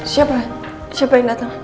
siapa siapa yang datang